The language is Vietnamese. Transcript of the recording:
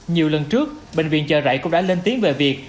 nhiều lần trước bệnh viện chợ rẫy cũng đã lên tiếng về việc